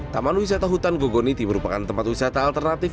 taman wisata hutan gogoniti merupakan tempat wisata alternatif